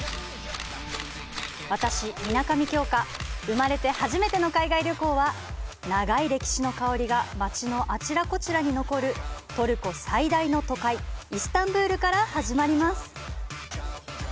私、水上京香、生まれて初めての海外旅行は、長い歴史の香りが街のあちらこちらに残るトルコ最大の都会イスタンブルから始まります。